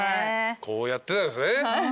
こうやってたんですね。